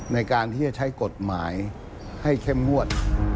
ในการที่จะใช้กฎหมายให้เข้มงวด